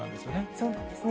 そうなんですね。